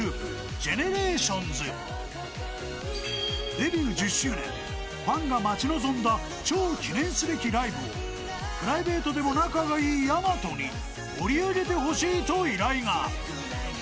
［デビュー１０周年ファンが待ち望んだ超記念すべきライブをプライベートでも仲がいいやまとに盛り上げてほしいと依頼が］